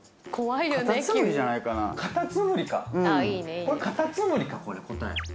これカタツムリか答え。